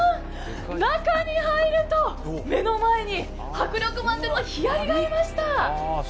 中に入ると、目の前に迫力満点のヒアリがいました！